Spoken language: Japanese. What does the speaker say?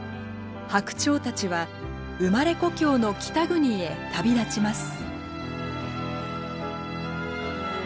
ハクチョウたちは生まれ故郷の北国へ旅立ちます。